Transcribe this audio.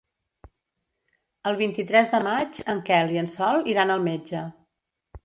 El vint-i-tres de maig en Quel i en Sol iran al metge.